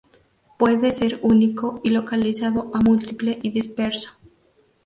Puede ser único y localizado o múltiple y disperso.